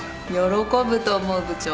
喜ぶと思う部長。